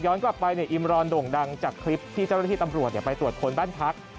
กลับไปอิมรอนโด่งดังจากคลิปที่เจ้าหน้าที่ตำรวจไปตรวจคนบ้านพัก